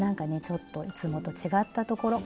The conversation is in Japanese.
ちょっといつもと違ったところ。